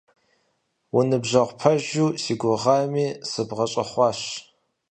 Уныбжьэгъу пэжу си гугъами, сыбгъэщӀэхъуащ.